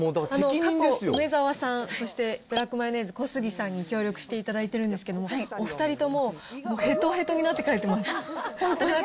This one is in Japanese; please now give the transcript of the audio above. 過去、梅沢さん、そしてブラックマヨネーズ・小杉さんに協力していただいているんですけれども、お２人ともへとへとになって帰ってます。